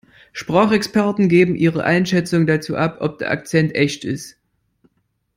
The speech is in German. Sprachexperten geben ihre Einschätzung dazu ab, ob der Akzent echt ist.